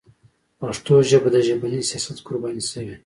پښتو ژبه د ژبني سیاست قرباني شوې.